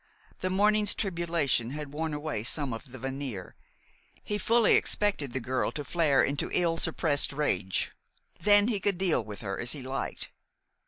The morning's tribulation had worn away some of the veneer. He fully expected the girl to flare into ill suppressed rage. Then he could deal with her as he liked.